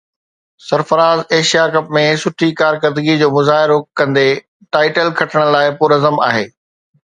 Sarfaraz Asia cup ۾ سٺي ڪارڪردگي جو مظاهرو ڪندي ٽائيٽل کٽڻ لاءِ پرعزم آهي